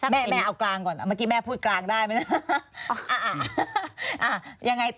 แม่เอากลางก่อนแม่พูดกลางได้ไหมนะ